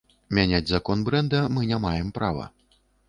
Мяняць закон брэнда мы не маем права.